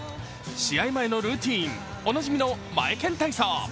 試合前のルーティン、おなじみのマエケン体操。